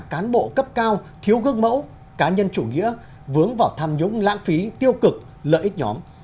cán bộ cấp cao thiếu gương mẫu cá nhân chủ nghĩa vướng vào tham nhũng lãng phí tiêu cực lợi ích nhóm